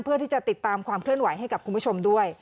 เพื่อที่จะติดตามความเคลื่อนไหวให้กับคุณผู้ชมด้วย